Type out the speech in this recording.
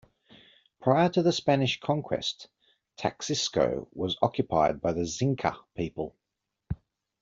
Prior to the Spanish Conquest, Taxisco was occupied by the Xinca people.